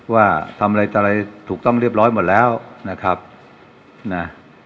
ว่าทำอะไรอะไรถูกต้องเรียบร้อยหมดแล้วนะครับนะ